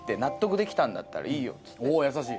おぉ優しい。